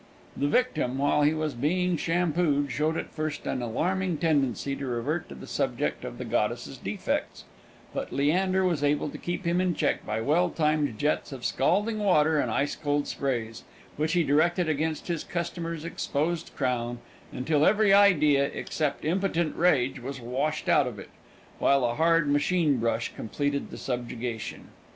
The victim, while he was being shampooed, showed at first an alarming tendency to revert to the subject of the goddess's defects, but Leander was able to keep him in check by well timed jets of scalding water and ice cold sprays, which he directed against his customer's exposed crown, until every idea, except impotent rage, was washed out of it, while a hard machine brush completed the subjugation.